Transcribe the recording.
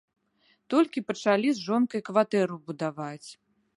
Толькі пачалі з жонкай кватэру будаваць.